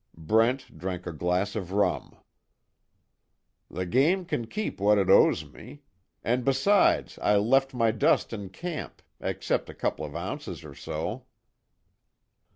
Brent drank a glass of rum: "The game can keep what it owes me. And besides I left my dust in camp except a couple of ounces, or so."